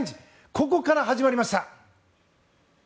ここから始まりました。